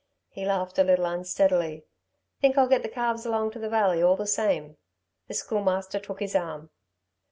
He laughed a little unsteadily. "Think I'll get the calves along to the Valley, all the same." The Schoolmaster took his arm.